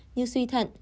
như suy thận